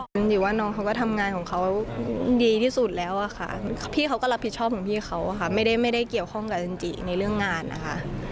จริงอยู่ว่าน้องเขาก็ทำงานของเขาดีที่สุดแล้วอะค่ะพี่เขาก็รับผิดชอบของพี่เขาค่ะไม่ได้เกี่ยวข้องกับจันจิในเรื่องงานนะคะ